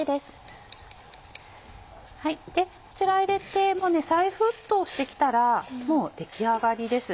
こちら入れて再沸騰して来たらもう出来上がりです。